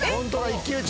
一騎打ち。